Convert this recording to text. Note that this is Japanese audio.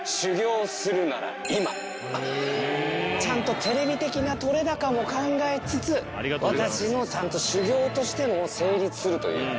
ちゃんとテレビ的な撮れ高も考えつつ私のちゃんと修行としても成立するという。